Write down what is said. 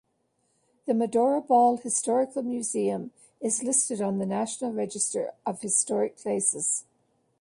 The Medora Ball Historical Museum is listed on the National Register of Historic Places.